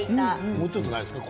もうちょっとないですか。